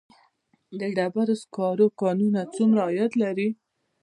د ډبرو سکرو کانونه څومره عاید لري؟